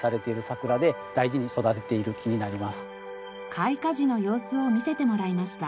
開花時の様子を見せてもらいました。